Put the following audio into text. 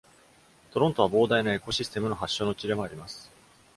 トロントは膨大なエコシステムの発祥の地でもあります。